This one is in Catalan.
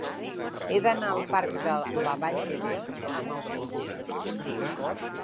He d'anar al parc de la Vall d'Hebron amb autobús.